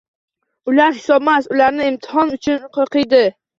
Ular hisobmas, ular imtihon uchun o’qiydi.